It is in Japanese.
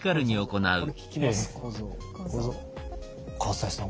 西さん